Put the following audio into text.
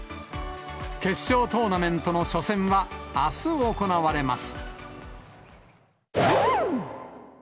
決勝トーナメントの初戦は、あす行われます。